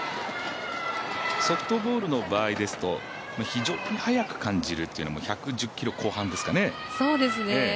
ソフトボールの場合ですと非常に速く感じるというのは１１０キロ後半ですかね。